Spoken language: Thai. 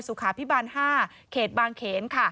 สุขาพิบาล๕เขตบางเขน